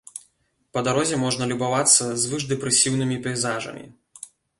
Па дарозе можна любавацца звышдэпрэсіўнымі пейзажамі.